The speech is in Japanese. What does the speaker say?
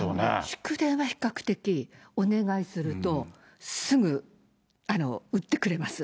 祝電は比較的、お願いするとすぐ打ってくれます。